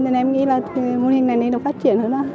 cho nên em nghĩ là mô hình này nên được phát triển hơn đó